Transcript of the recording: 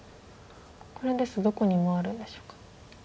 これですとどこに回るんでしょうか。